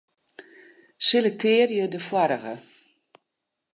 Selektearje de foarige.